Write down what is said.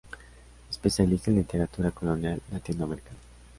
Especialista en literatura colonial latinoamericana.